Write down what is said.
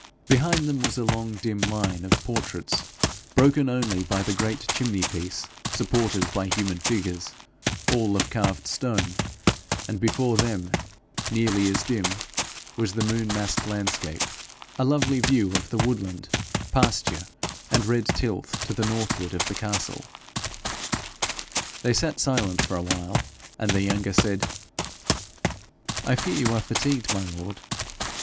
Behind them was a long dim line of portraits, broken only by the great chimney piece supported by human figures, all of carved stone, and before them, nearly as dim, was the moon massed landscape a lovely view of the woodland, pasture, and red tilth to the northward of the castle. They sat silent for a while, and the younger said: 'I fear you are fatigued, my lord.